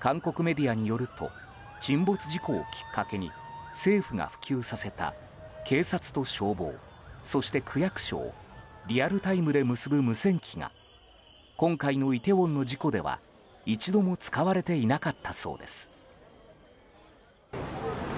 韓国メディアによると沈没事故をきっかけに政府が普及させた警察と消防そして、区役所をリアルタイムで結ぶ無線機が今回のイテウォンの事故では一度も使われていなかったそうです。